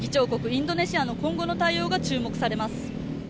インドネシアの今後の対応が注目されます。